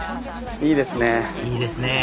いいですねぇ